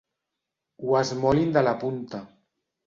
Ho esmolin de la punta.